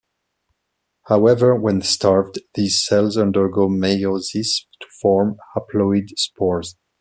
However, when starved, these cells undergo meiosis to form haploid spores.